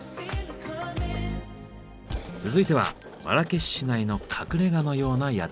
続いてはマラケシュ市内の隠れ家のような宿。